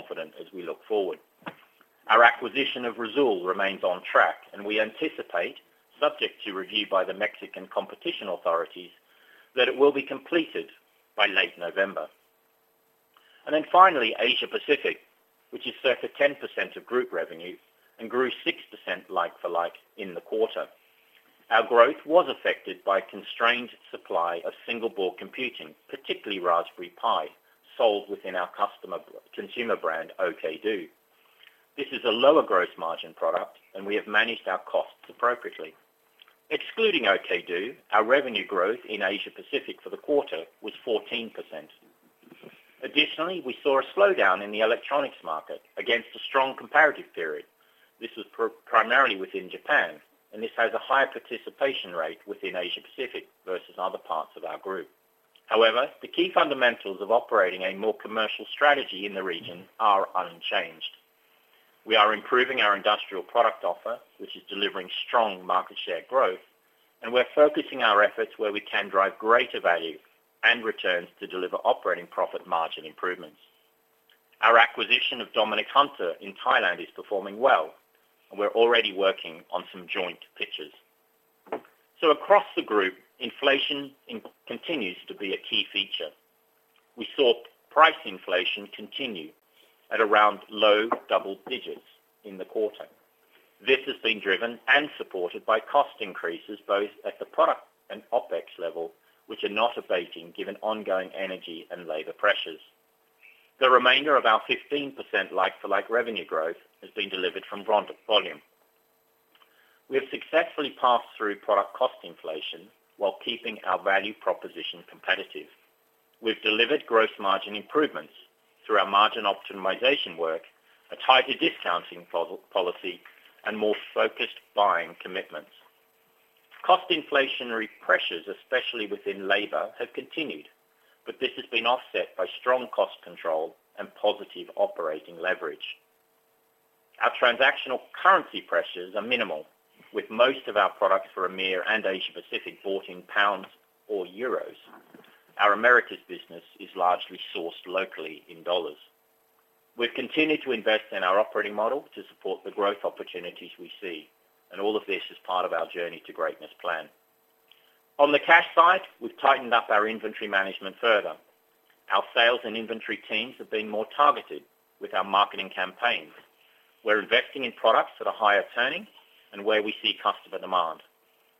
Confident as we look forward. Our acquisition of Risoul remains on track and we anticipate, subject to review by the Mexican competition authorities, that it will be completed by late November. Finally, Asia Pacific, which is circa 10% of group revenue and grew 6% like for like in the quarter. Our growth was affected by constrained supply of single board computing, particularly Raspberry Pi, sold within our consumer brand, OKdo. This is a lower gross margin product, and we have managed our costs appropriately. Excluding OKdo, our revenue growth in Asia Pacific for the quarter was 14%. Additionally, we saw a slowdown in the electronics market against a strong comparative period. This was primarily within Japan, and this has a higher participation rate within Asia Pacific versus other parts of our group. However, the key fundamentals of operating a more commercial strategy in the region are unchanged. We are improving our industrial product offer, which is delivering strong market share growth, and we're focusing our efforts where we can drive greater value and returns to deliver operating profit margin improvements. Our acquisition of Domnick Hunter in Thailand is performing well, and we're already working on some joint pitches. Across the group, inflation continues to be a key feature. We saw price inflation continue at around low double digits in the quarter. This has been driven and supported by cost increases both at the product and OpEx level, which are not abating given ongoing energy and labor pressures. The remainder of our 15% like for like revenue growth has been delivered from volume. We have successfully passed through product cost inflation while keeping our value proposition competitive. We've delivered gross margin improvements through our margin optimization work, a tighter discounting policy, and more focused buying commitments. Cost inflationary pressures, especially within labor, have continued, but this has been offset by strong cost control and positive operating leverage. Our transactional currency pressures are minimal, with most of our products for EMEAR and Asia Pacific bought in pounds or euros. Our Americas business is largely sourced locally in dollars. We've continued to invest in our operating model to support the growth opportunities we see, and all of this is part of our Journey to Greatness plan. On the cash side, we've tightened up our inventory management further. Our sales and inventory teams have been more targeted with our marketing campaigns. We're investing in products that are higher turning and where we see customer demand,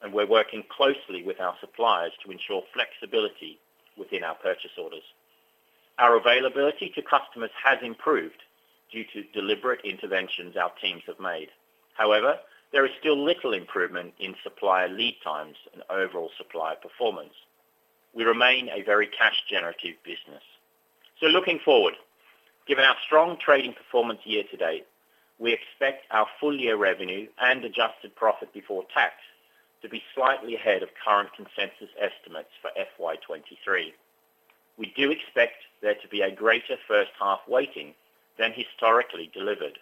and we're working closely with our suppliers to ensure flexibility within our purchase orders. Our availability to customers has improved due to deliberate interventions our teams have made. However, there is still little improvement in supplier lead times and overall supplier performance. We remain a very cash generative business. Looking forward, given our strong trading performance year to date, we expect our full year revenue and adjusted profit before tax to be slightly ahead of current consensus estimates for FY23. We do expect there to be a greater first half weighting than historically delivered.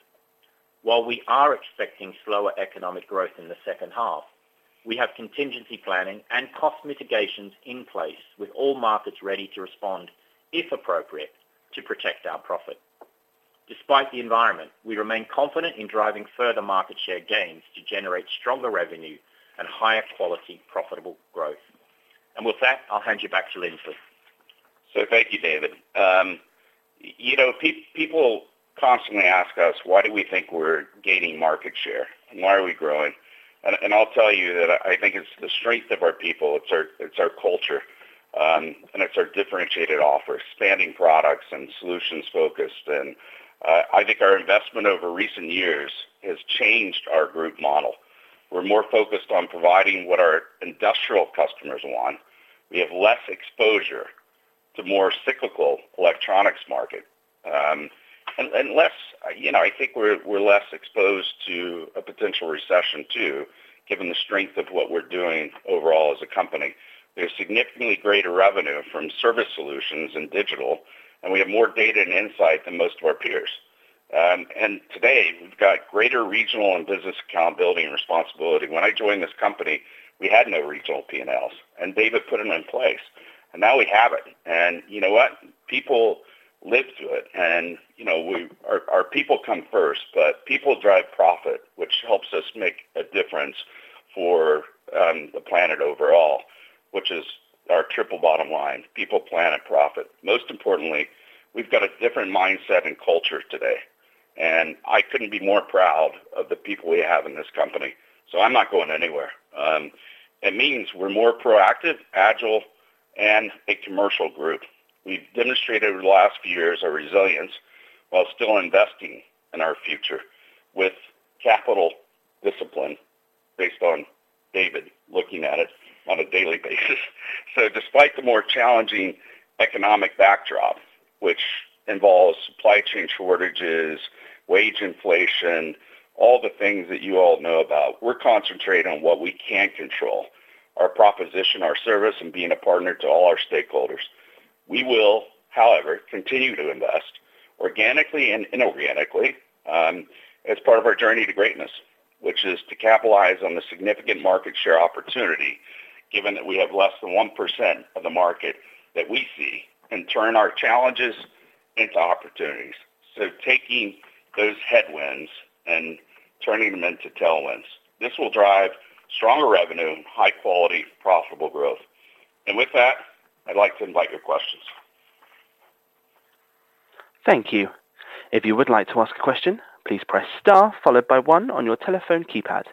While we are expecting slower economic growth in the second half, we have contingency planning and cost mitigations in place with all markets ready to respond, if appropriate, to protect our profit. Despite the environment, we remain confident in driving further market share gains to generate stronger revenue and higher quality, profitable growth. With that, I'll hand you back to Lindsley. Thank you, David. People constantly ask us, why do we think we're gaining market share? Why are we growing? I'll tell you that I think it's the strength of our people. It's our culture, and it's our differentiated offer, expanding products and solutions focused. I think our investment over recent years has changed our group model. We're more focused on providing what our industrial customers want. We have less exposure to more cyclical electronics market, and less, I think we're less exposed to a potential recession too, given the strength of what we're doing overall as a company. There's significantly greater revenue from service solutions in digital, and we have more data and insight than most of our peers. Today, we've got greater regional and business account building responsibility. When I joined this company, we had no regional P&Ls, and David put them in place. Now we have it. You know what? People live to it. You know, our people come first, but people drive profit, which helps us make a difference for the planet overall, which is our triple bottom line, people, planet, profit. Most importantly, we've got a different mindset and culture today, and I couldn't be more proud of the people we have in this company. I'm not going anywhere. It means we're more proactive, agile, and a commercial group. We've demonstrated over the last few years our resilience while still investing in our future with capital discipline based on David looking at it on a daily basis. Despite the more challenging economic backdrop, which involves supply chain shortages, wage inflation, all the things that you all know about, we're concentrating on what we can control, our proposition, our service, and being a partner to all our stakeholders. We will, however, continue to invest organically and inorganically, as part of our Journey to Greatness, which is to capitalize on the significant market share opportunity, given that we have less than 1% of the market that we see and turn our challenges into opportunities. Taking those headwinds and turning them into tailwinds. This will drive stronger revenue and high quality profitable growth. With that, I'd like to invite your questions. Thank you. If you would like to ask a question, please press star followed by one on your telephone keypad.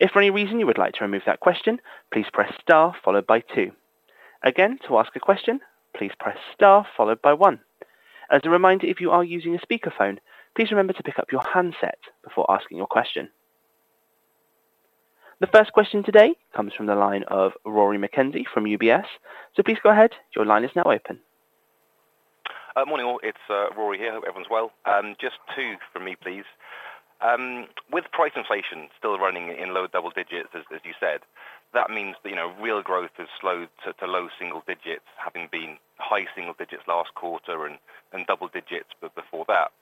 If for any reason you would like to remove that question, please press star followed by two. Again, to ask a question, please press star followed by one. As a reminder, if you are using a speakerphone, please remember to pick up your handset before asking your question. The first question today comes from the line of Rory McKenzie from UBS. Please go ahead. Your line is now open. Morning all. It's Rory here. Hope everyone's well. Just two from me, please. With price inflation still running in low double digits, as you said, that means that, you know, real growth has slowed to low single digits, having been high single digits last quarter and double digits before that.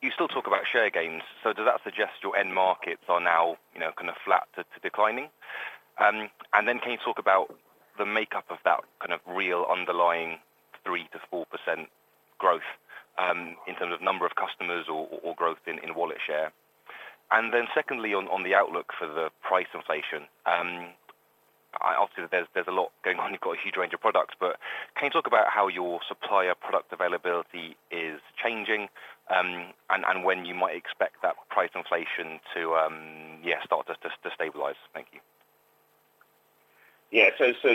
You still talk about share gains. So does that suggest your end markets are now, you know, kind of flat to declining? And then can you talk about the makeup of that kind of real underlying 3%-4% growth, in terms of number of customers or growth in wallet share. And then secondly on the outlook for the price inflation, I obviously there's a lot going on. You've got a huge range of products, but can you talk about how your supplier product availability is changing, and when you might expect that price inflation to start to stabilize? Thank you.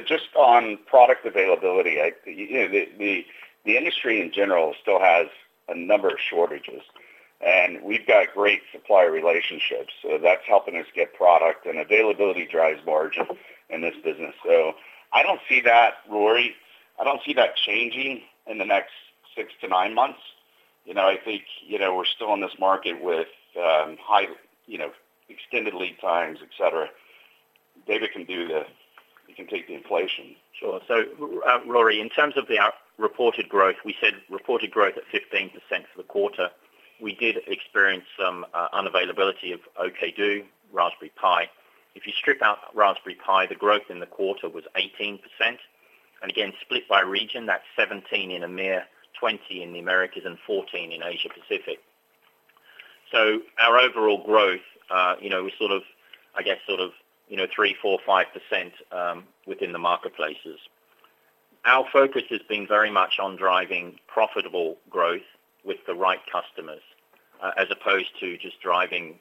Just on product availability, you know, the industry in general still has a number of shortages, and we've got great supplier relationships, so that's helping us get product and availability drives margin in this business. I don't see that, Rory, I don't see that changing in the next 6-9 months. You know, I think, you know, we're still in this market with high, you know, extended lead times, et cetera. He can take the inflation. Sure. Rory, in terms of the reported growth, we said reported growth at 15% for the quarter. We did experience some unavailability of OKdo Raspberry Pi. If you strip out Raspberry Pi, the growth in the quarter was 18%. Again, split by region, that's 17% in EMEA, 20% in the Americas and 14% in Asia Pacific. Our overall growth, you know, was sort of, I guess sort of, you know, 3%, 4%, 5% within the marketplaces. Our focus has been very much on driving profitable growth with the right customers, as opposed to just driving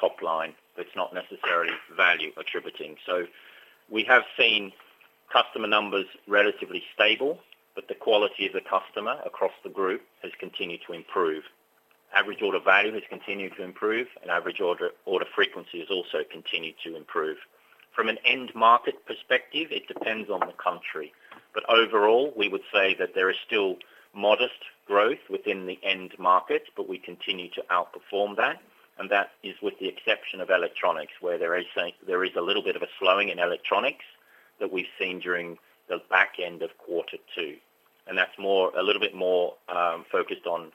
top line that's not necessarily value attributing. We have seen customer numbers relatively stable, but the quality of the customer across the group has continued to improve. Average order value has continued to improve, and average order frequency has also continued to improve. From an end market perspective, it depends on the country, but overall, we would say that there is still modest growth within the end market, but we continue to outperform that, and that is with the exception of electronics, where there is a little bit of a slowing in electronics that we've seen during the back end of quarter two, and that's a little bit more focused on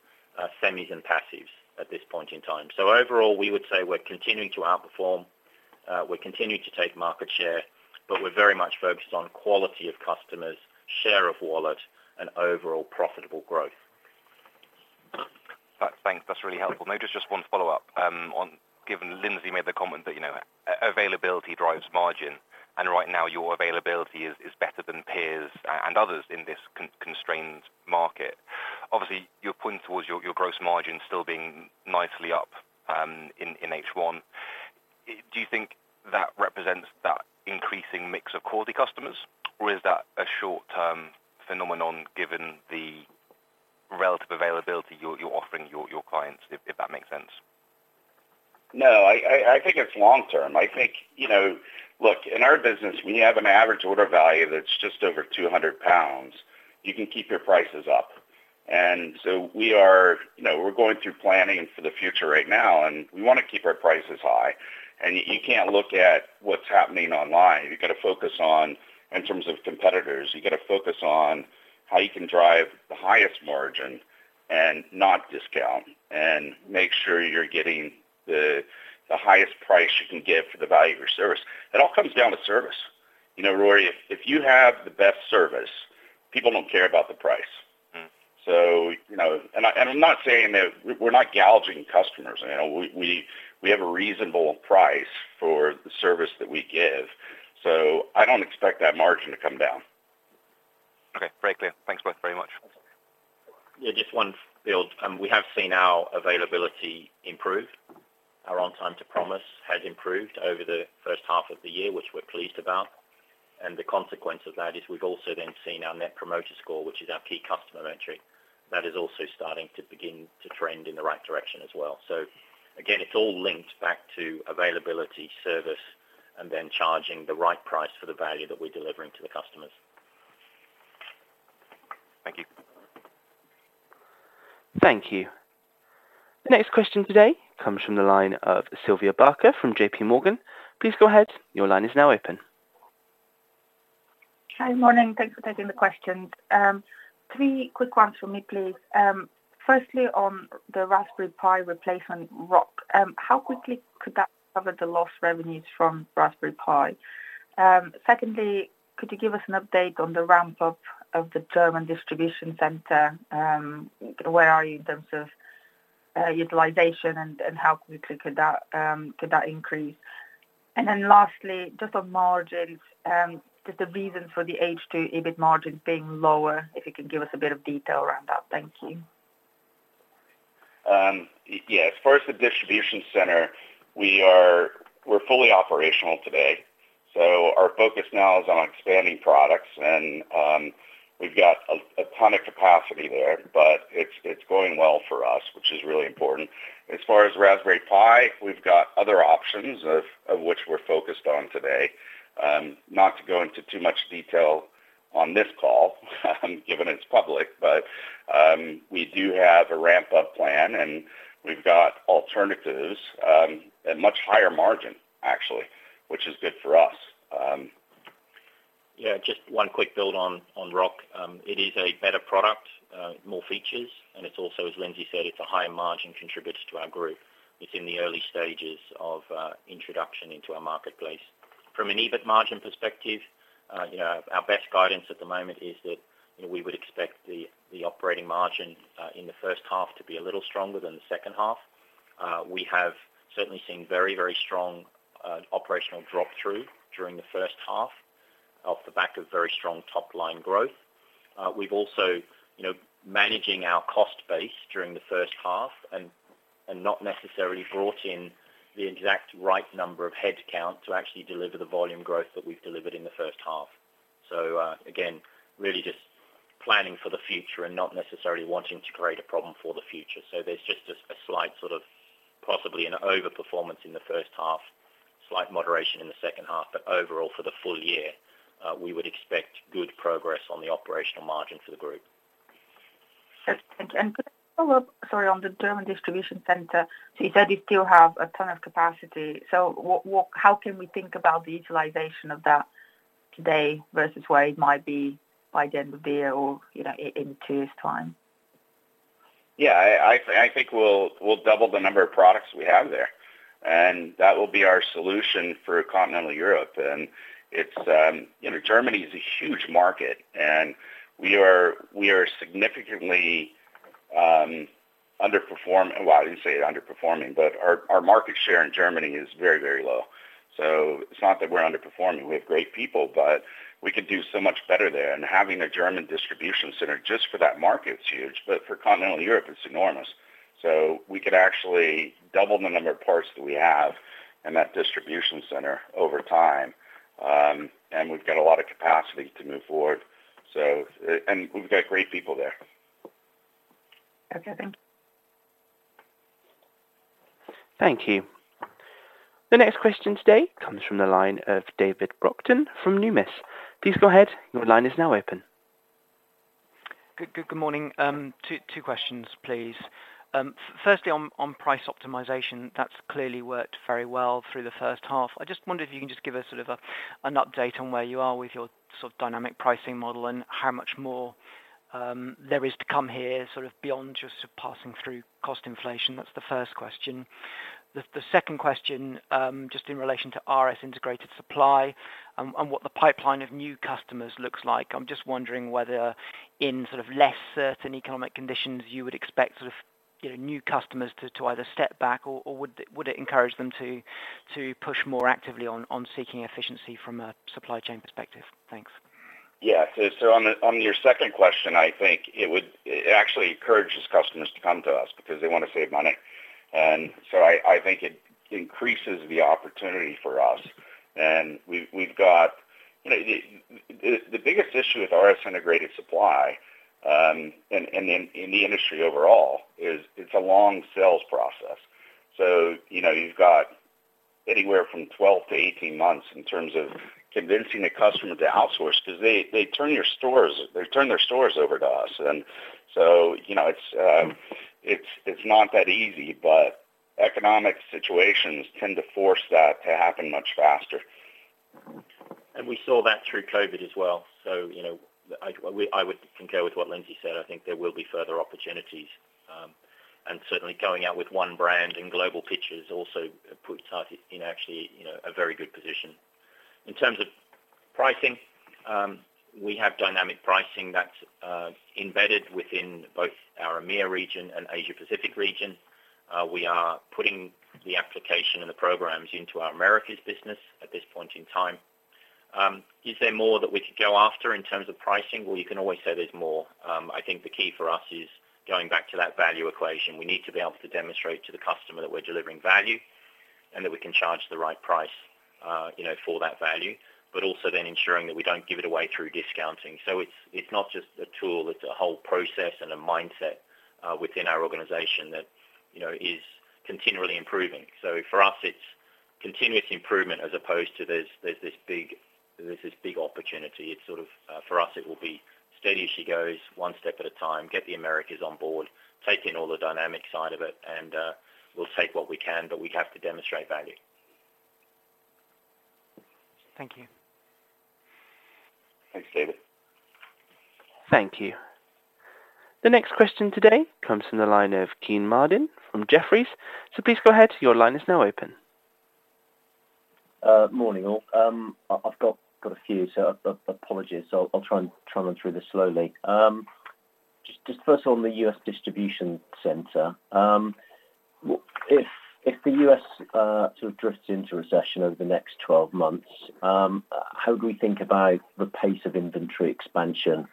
semis and passives at this point in time. Overall, we would say we're continuing to outperform, we're continuing to take market share, but we're very much focused on quality of customers, share of wallet, and overall profitable growth. Thanks. That's really helpful. Maybe just one follow-up, given Lindsley made the comment that, you know, availability drives margin and right now your availability is better than peers and others in this constrained market. Obviously, you're pointing towards your gross margin still being nicely up in H1. Do you think that represents that increasing mix of quality customers, or is that a short-term phenomenon given the relative availability you're offering your clients, if that makes sense? No, I think it's long term. I think, you know, look, in our business, when you have an average order value that's just over 200 pounds, you can keep your prices up. We are, you know, we're going through planning for the future right now, and we want to keep our prices high. You can't look at what's happening online. You got to focus on, in terms of competitors, you got to focus on how you can drive the highest margin and not discount and make sure you're getting the highest price you can get for the value of your service. It all comes down to service. You know, Rory, if you have the best service, people don't care about the price. Mm. you know, and I'm not saying that we're not gouging customers. You know, we have a reasonable price for the service that we give. I don't expect that margin to come down. Okay, very clear. Thanks both very much. Yeah, just one build. We have seen our availability improve. Our on time to promise has improved over the first half of the year, which we're pleased about. The consequence of that is we've also then seen our net promoter score, which is our key customer metric, that is also starting to begin to trend in the right direction as well. Again, it's all linked back to availability, service and then charging the right price for the value that we're delivering to the customers. Thank you. Thank you. The next question today comes from the line of Sylvia Barker from J.P. Morgan. Please go ahead. Your line is now open. Hi, morning. Thanks for taking the questions. Three quick ones for me, please. Firstly, on the Raspberry Pi replacement, ROCK, how quickly could that cover the lost revenues from Raspberry Pi? Secondly, could you give us an update on the ramp-up of the German distribution center? Where are you in terms of utilization and how quickly could that increase? Lastly, just on margins, just the reason for the H2 EBIT margin being lower, if you could give us a bit of detail around that. Thank you. Yes. As far as the distribution center, we're fully operational today, so our focus now is on expanding products and we've got a ton of capacity there, but it's going well for us, which is really important. As far as Raspberry Pi, we've got other options of which we're focused on today. Not to go into too much detail on this call, given it's public, but we do have a ramp-up plan, and we've got alternatives at much higher margin, actually, which is good for us. Yeah. Just one quick build on ROCK. It is a better product, more features, and it's also, as Lindsay said, it's a higher margin contributor to our group. It's in the early stages of introduction into our marketplace. From an EBIT margin perspective, you know, our best guidance at the moment is that, you know, we would expect the operating margin in the first half to be a little stronger than the second half. We have certainly seen very, very strong operational drop-through during the first half off the back of very strong top-line growth. We've also, you know, managing our cost base during the first half and not necessarily brought in the exact right number of headcount to actually deliver the volume growth that we've delivered in the first half. Again, really just planning for the future and not necessarily wanting to create a problem for the future. There's just a slight sort of possibly an overperformance in the first half, slight moderation in the second half. Overall, for the full year, we would expect good progress on the operational margin for the group. Sure. Thank you. Could I follow up, sorry, on the German distribution center. You said you still have a ton of capacity. What, how can we think about the utilization of that today versus where it might be by the end of the year or, you know, in two years' time? Yeah. I think we'll double the number of products we have there, and that will be our solution for continental Europe. It's, you know, Germany is a huge market. Well, I wouldn't say underperforming, but our market share in Germany is very, very low. It's not that we're underperforming. We have great people, but we could do so much better there. Having a German distribution center just for that market is huge, but for continental Europe, it's enormous. We could actually double the number of parts that we have in that distribution center over time. We've got a lot of capacity to move forward. We've got great people there. Okay, thank you. Thank you. The next question today comes from the line of David Brockton from Numis. Please go ahead. Your line is now open. Good morning. Two questions, please. Firstly on price optimization, that's clearly worked very well through the first half. I just wondered if you can just give us sort of an update on where you are with your sort of dynamic pricing model and how much more there is to come here, sort of beyond just passing through cost inflation. That's the first question. The second question, just in relation to RS Integrated Supply and what the pipeline of new customers looks like. I'm just wondering whether in sort of less certain economic conditions you would expect sort of, you know, new customers to either step back or would it encourage them to push more actively on seeking efficiency from a supply chain perspective? Thanks. On your second question, I think it actually encourages customers to come to us because they wanna save money. I think it increases the opportunity for us. We've got, you know, the biggest issue with RS Integrated Supply and in the industry overall is it's a long sales process. You know, you've got anywhere from 12-18 months in terms of convincing a customer to outsource 'cause they turn their stores over to us. You know, it's not that easy, but economic situations tend to force that to happen much faster. We saw that through COVID as well. You know, I would concur with what Lindsay said. I think there will be further opportunities, and certainly going out with one brand and global pitches also puts us in actually, you know, a very good position. In terms of pricing, we have dynamic pricing that's embedded within both our EMEA region and Asia Pacific region. We are putting the application and the programs into our Americas business at this point in time. Is there more that we could go after in terms of pricing? Well, you can always say there's more. I think the key for us is going back to that value equation. We need to be able to demonstrate to the customer that we're delivering value and that we can charge the right price, you know, for that value, but also then ensuring that we don't give it away through discounting. It's not just a tool, it's a whole process and a mindset within our organization that, you know, is continually improving. For us, it's continuous improvement as opposed to there's this big opportunity. It's sort of for us, it will be steady as she goes, one step at a time, get the Americas on board, take in all the dynamic side of it, and we'll take what we can, but we have to demonstrate value. Thank you. Thanks, David. Thank you. The next question today comes from the line of Kean Marden from Jefferies. Please go ahead. Your line is now open. Morning all. I've got a few, so apologies. I'll try and run through this slowly. Just first on the U.S. distribution center. If the U.S. sort of drifts into recession over the next 12 months, how do we think about the pace of inventory expansion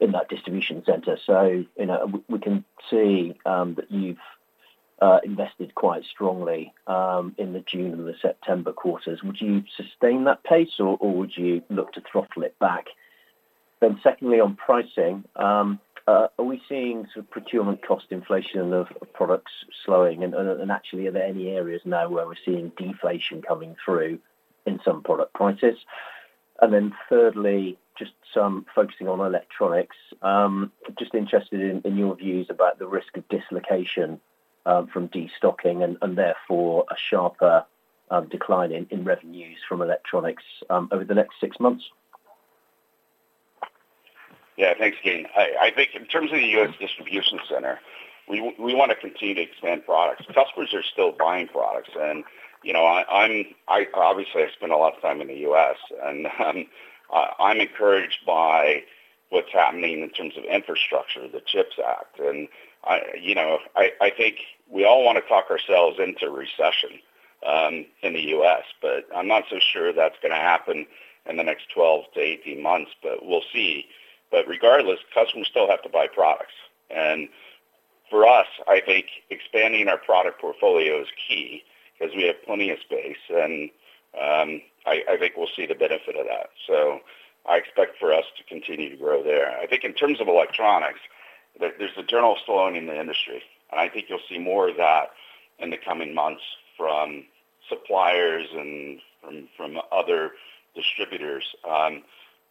in that distribution center? You know, we can see that you've invested quite strongly in the June and the September quarters. Would you sustain that pace, or would you look to throttle it back? Secondly, on pricing, are we seeing sort of procurement cost inflation of products slowing and actually are there any areas now where we're seeing deflation coming through in some product prices? Then thirdly, just some focusing on electronics. Just interested in your views about the risk of dislocation from destocking and therefore a sharper decline in revenues from electronics over the next six months. Yeah. Thanks, Kean. I think in terms of the U.S. distribution center, we wanna continue to expand products. Customers are still buying products and, you know, I obviously spend a lot of time in the U.S. and, I'm encouraged by what's happening in terms of infrastructure, the CHIPS Act. I think we all want to talk ourselves into recession in the U.S., but I'm not so sure that's gonna happen in the next 12 to 18 months, but we'll see. Regardless, customers still have to buy products. For us, I think expanding our product portfolio is key 'cause we have plenty of space and, I think we'll see the benefit of that. I expect for us to continue to grow there. I think in terms of electronics, there's a general slowing in the industry, and I think you'll see more of that in the coming months from suppliers and from other distributors.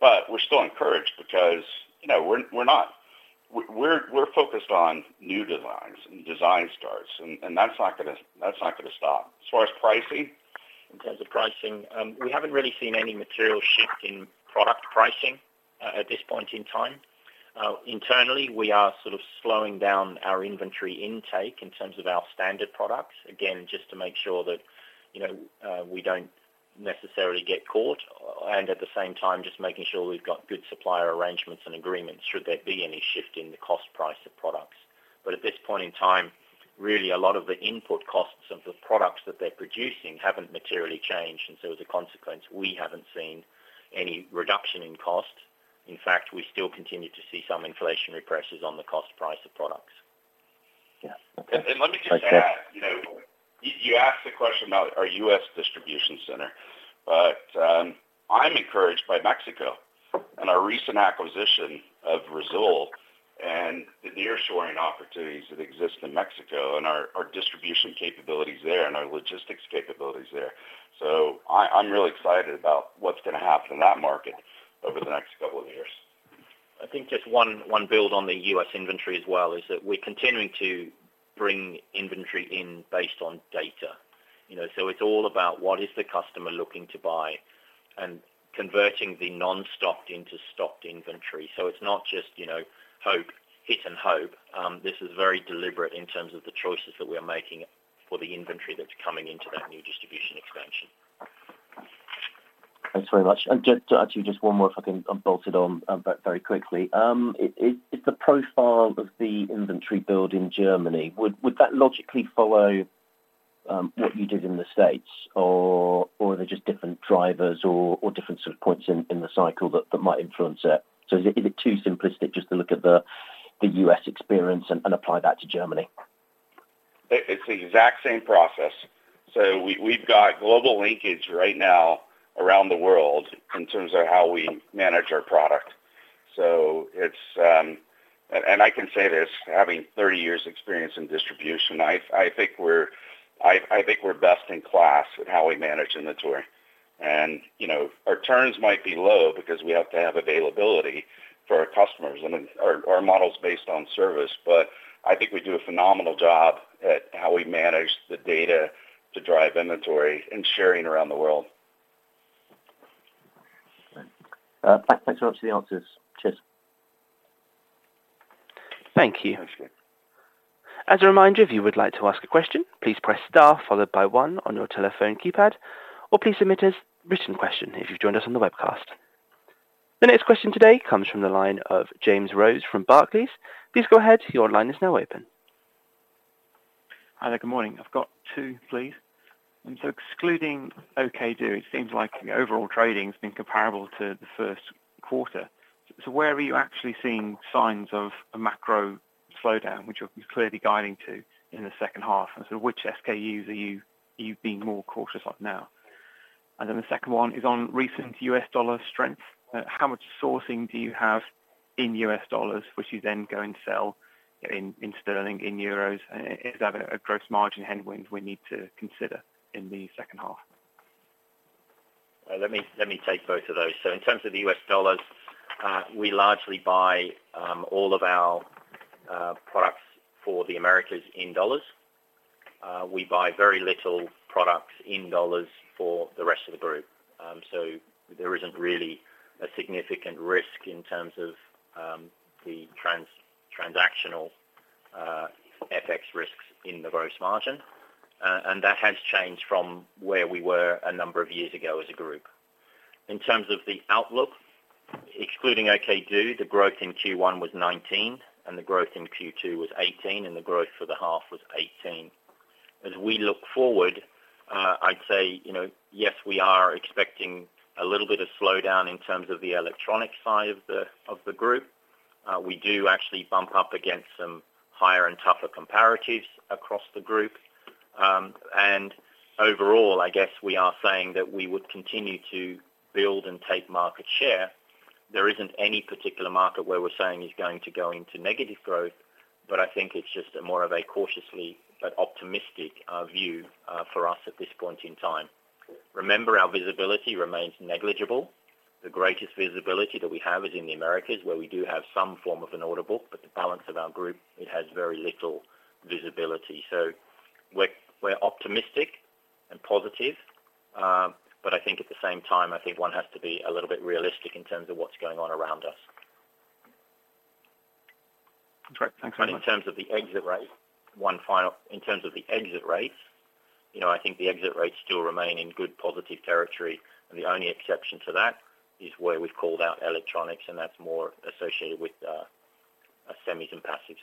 We're still encouraged because, you know, we're focused on new designs and design starts, and that's not gonna stop. As far as pricing. In terms of pricing, we haven't really seen any material shift in product pricing at this point in time. Internally, we are sort of slowing down our inventory intake in terms of our standard products. Again, just to make sure that, you know, we don't necessarily get caught, and at the same time just making sure we've got good supplier arrangements and agreements should there be any shift in the cost price of products. But at this point in time, really a lot of the input costs of the products that they're producing haven't materially changed. As a consequence, we haven't seen any reduction in cost. In fact, we still continue to see some inflationary pressures on the cost price of products. Yeah. Okay. Let me just add, you know, you asked the question about our U.S. distribution center, but I'm encouraged by Mexico and our recent acquisition of Risoul and the nearshoring opportunities that exist in Mexico and our distribution capabilities there and our logistics capabilities there. I'm really excited about what's gonna happen in that market over the next couple of years. I think just one build on the US inventory as well is that we're continuing to bring inventory in based on data, you know. It's all about what is the customer looking to buy and converting the non-stocked into stocked inventory. It's not just, you know, hope, hit and hope. This is very deliberate in terms of the choices that we are making for the inventory that's coming into that new distribution expansion. Thanks very much. Just actually one more if I can bolt it on very quickly. Is the profile of the inventory build in Germany, would that logically follow what you did in the States or are there just different drivers or different sort of points in the cycle that might influence it? Is it too simplistic just to look at the US experience and apply that to Germany? It's the exact same process. We've got global linkage right now around the world in terms of how we manage our product. I can say this, having 30 years experience in distribution. I think we're best in class in how we manage inventory. You know, our turns might be low because we have to have availability for our customers and then our model's based on service. I think we do a phenomenal job at how we manage the data to drive inventory and sharing around the world. Thanks very much for the answers. Cheers. Thank you. As a reminder, if you would like to ask a question, please press star followed by one on your telephone keypad or please submit a written question if you've joined us on the webcast. The next question today comes from the line of James Rose from Barclays. Please go ahead. Your line is now open. Hi there. Good morning. I've got two, please. Excluding OKdo, it seems like the overall trading has been comparable to the first quarter. Where are you actually seeing signs of a macro slowdown, which you're clearly guiding to in the second half? Which SKUs are you being more cautious of now? The second one is on recent US dollar strength. How much sourcing do you have in US dollars, which you then go and sell in sterling, in euros? Is that a gross margin headwind we need to consider in the second half? Let me take both of those. In terms of the US dollars, we largely buy all of our products for the Americas in dollars. We buy very little products in dollars for the rest of the group. There isn't really a significant risk in terms of the transactional FX risks in the gross margin. That has changed from where we were a number of years ago as a group. In terms of the outlook, excluding OKdo, the growth in Q1 was 19%, and the growth in Q2 was 18%, and the growth for the half was 18%. As we look forward, I'd say, you know, yes, we are expecting a little bit of slowdown in terms of the electronic side of the group. We do actually bump up against some higher and tougher comparatives across the group. Overall, I guess we are saying that we would continue to build and take market share. There isn't any particular market where we're saying is going to go into negative growth, but I think it's just a more of a cautiously but optimistic view for us at this point in time. Remember, our visibility remains negligible. The greatest visibility that we have is in the Americas, where we do have some form of an order book, but the balance of our group, it has very little visibility. We're optimistic and positive, but I think at the same time, I think one has to be a little bit realistic in terms of what's going on around us. Great. Thanks very much. In terms of the exit rates, you know, I think the exit rates still remain in good, positive territory, and the only exception to that is where we've called out electronics, and that's more associated with semis and passives.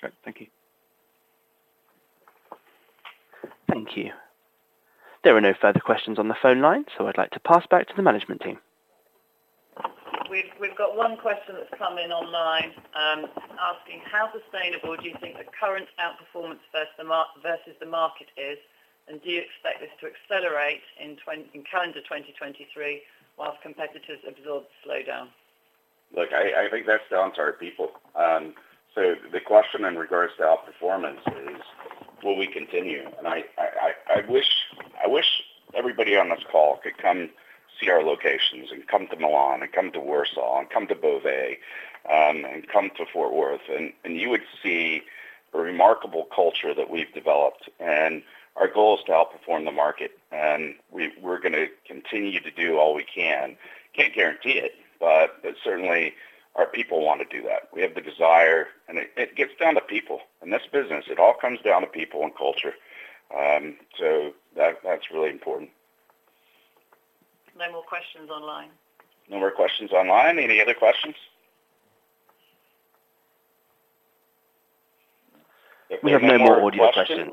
Great. Thank you. Thank you. There are no further questions on the phone line, so I'd like to pass back to the management team. We've got one question that's come in online, asking: How sustainable do you think the current outperformance versus the market is, and do you expect this to accelerate in calendar 2023, while competitors absorb the slowdown? Look, I think that's down to our people. The question in regards to outperformance is, will we continue? I wish everybody on this call could come see our locations and come to Milan and come to Warsaw and come to Beauvais, and come to Fort Worth, and you would see a remarkable culture that we've developed. Our goal is to outperform the market, and we're gonna continue to do all we can. Can't guarantee it, but certainly our people wanna do that. We have the desire, and it gets down to people. In this business, it all comes down to people and culture. That's really important. No more questions online. No more questions online? Any other questions? We have no more audio questions.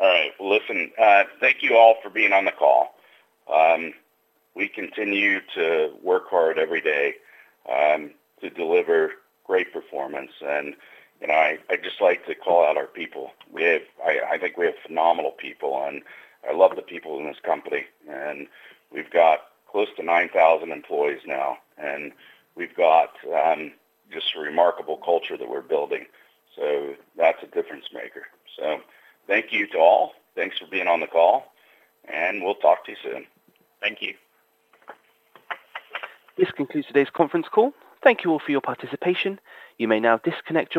All right. Listen, thank you all for being on the call. We continue to work hard every day to deliver great performance. You know, I'd just like to call out our people. I think we have phenomenal people, and I love the people in this company. We've got close to 9,000 employees now, and we've got just a remarkable culture that we're building. That's a difference maker. Thank you to all. Thanks for being on the call, and we'll talk to you soon. Thank you. This concludes today's conference call. Thank you all for your participation. You may now disconnect your lines.